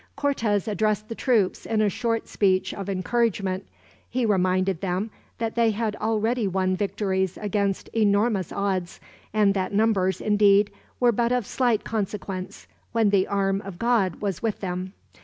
Cortez addressed the troops in a short speech of encouragement. He reminded them that they had already won victories against enormous odds; and that numbers, indeed, were but of slight consequence, when the arm of God was with them.